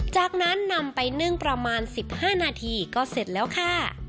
จากนั้นนำไปนึ่งประมาณ๑๕นาทีก็เสร็จแล้วค่ะ